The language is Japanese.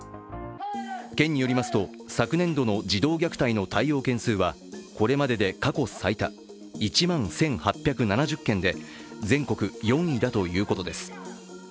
県によりますと、昨年度の児童虐待の対応件数はこれまでで過去最多、１万１８７０件で全国４位だということです。